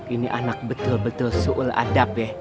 ini anak betul betul suul adab ya